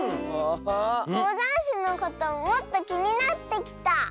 こうだんしのこともっときになってきた！